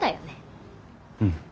うん。